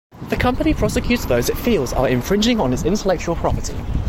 The company prosecutes those it feels are infringing on its intellectual property.